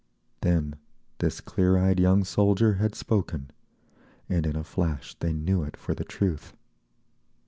Then this clear eyed young soldier had spoken, and in a flash they knew it for the truth….